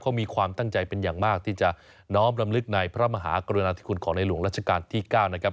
เขามีความตั้งใจเป็นอย่างมากที่จะน้อมรำลึกในพระมหากรุณาธิคุณของในหลวงรัชกาลที่๙นะครับ